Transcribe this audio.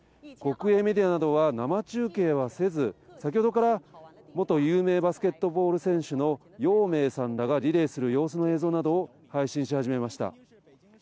国営メディアなどは生中継はせず、先ほどから元有名バスケットボール選手の姚明さんらがリレーする様子の映像などを配信し始めました。